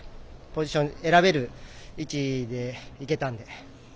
ポジション選べる位置でいけたんで。